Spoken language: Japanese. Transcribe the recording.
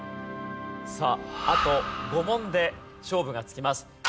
さああと５問で勝負がつきます。